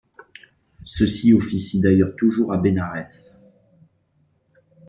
Ceux-ci officient d'ailleurs toujours à Bénarès.